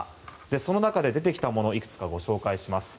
その中で出てきたものをいくつかご紹介します。